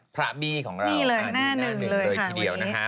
พระบี้ของเรา